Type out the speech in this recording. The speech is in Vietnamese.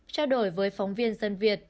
trao đổi với phóng viên dân việt